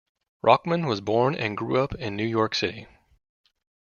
Rockman was born and grew up in New York City.